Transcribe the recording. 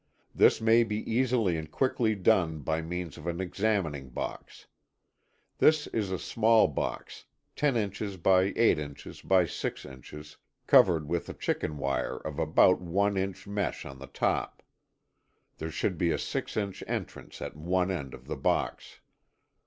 This may be easily and quickly done by means of an examining box. This is a small box 10ŌĆ│ by 8ŌĆ│ by 6ŌĆ│ covered with a chicken wire of about one inch mesh on the top. There should be a six inch entrance at one end of the box.